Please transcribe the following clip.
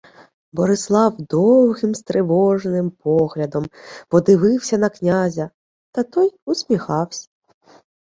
Борислав довгим стривоженим поглядом подивився на князя, та той усміхавсь.